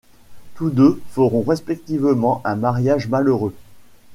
Tous deux feront respectivement un mariage malheureux.